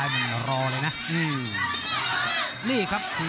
โหโหโหโหโหโหโห